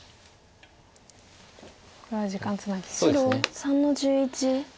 これは時間つなぎですか。